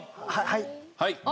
はい。